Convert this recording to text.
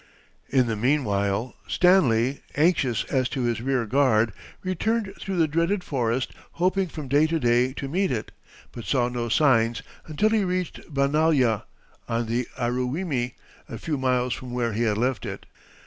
In the meanwhile Stanley, anxious as to his rear guard, returned through the dreaded forest hoping from day to day to meet it, but saw no signs until he reached Banalya, on the Aruwimi, a few miles from where he had left it.